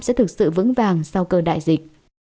sẽ có sự vững vàng sau cơn đại dịch